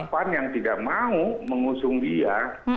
pan yang tidak mau mengusung dia